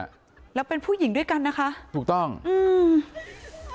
แล้วเป็นผู้หญิงด้วยกันนะคะถูกต้องอืม